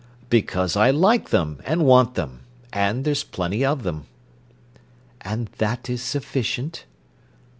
"Because I like them, and want them—and there's plenty of them." "And that is sufficient?"